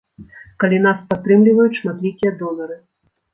Калі нас падтрымліваюць шматлікія донары.